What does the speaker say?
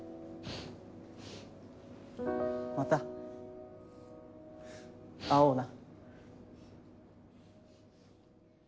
また会おうな。